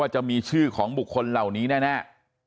จะมีชื่อของบุคคลเหล่านี้แน่